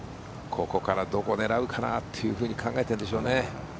ここからどこ狙うかなっていうふうに考えているんでしょうね。